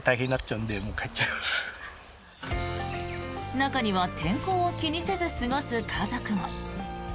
中には天候を気にせず過ごす家族も。